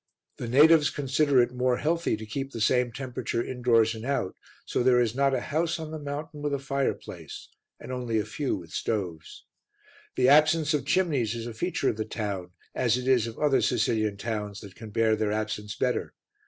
The natives consider it more healthy to keep the same temperature indoors and out, so there is not a house on the mountain with a fireplace, and only a few with stoves. The absence of chimneys is a feature of the town, as it is of other Sicilian towns that can bear their absence better.